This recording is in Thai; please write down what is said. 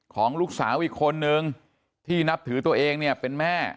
ของลูกสาวอีกคนนึงที่นับถือตัวเองเนี่ยเป็นแม่